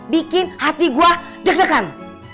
bikin hati gue deg deg kan